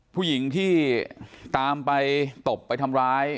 ผู้หญิงที่ตามไปตบไปทำร้าย